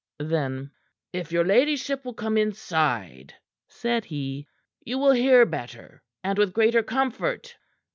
Then: "If your ladyship will come inside," said he, "you will hear better and with greater comfort."